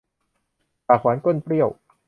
ปากหวานก้นเปรี้ยว